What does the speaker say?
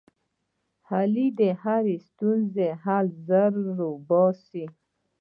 علي د هرې ستونزې حل ډېر زر را اوباسي.